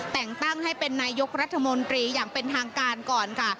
แต่งตั้งให้เป็นนายกรัฐมนตรีอย่างเป็นทางการก่อนค่ะ